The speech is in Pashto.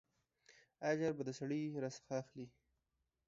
اجر به د سړي راڅخه اخلې.